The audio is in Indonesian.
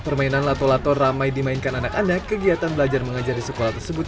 permainan lato lato ramai dimainkan anak anak kegiatan belajar mengajar di sekolah tersebut